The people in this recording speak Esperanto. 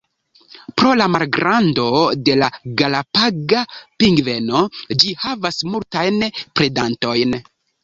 Pro la malgrando de la Galapaga pingveno, ĝi havas multajn predantojn.